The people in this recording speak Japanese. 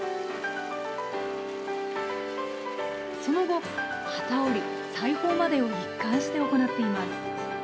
その後、機織り、裁縫までを一貫して行っています。